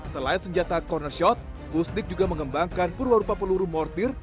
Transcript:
selain senjata corner shot pusdik juga mengembangkan purwa rupa peluru mortir